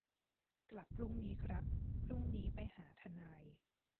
กลับพรุ่งนี้ครับ พรุ่งนี้ไปหาทนาย